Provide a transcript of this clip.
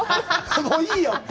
もういいよって。